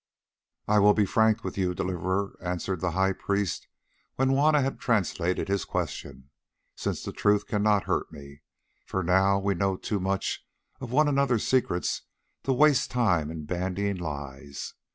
"I will be frank with you, Deliverer," answered the high priest, when Juanna had translated his question, "since the truth cannot hurt me, for now we know too much of one another's secrets to waste time in bandying lies.